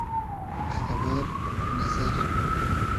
خئبئر نئزئر